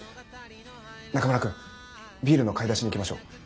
中村くんビールの買い出しに行きましょう。